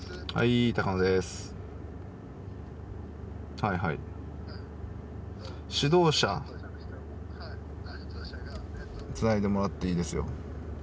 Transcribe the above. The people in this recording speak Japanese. はいはいつないでもらっていいですよ